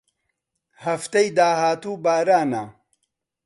هەفتەی داهاتوو بارانە.